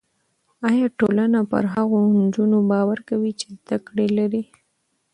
ایا ټولنه پر هغو نجونو باور کوي چې زده کړه لري؟